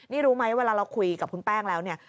นี่รู้ไหมเวลาเราคุยกับคุณแป้งแล้วเนี่ย